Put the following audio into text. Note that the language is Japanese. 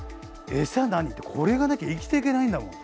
餌何ってこれがなきゃ生きていけないんだもん。